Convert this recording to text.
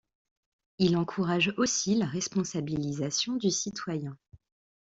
Il encourage aussi la responsabilisation du citoyen.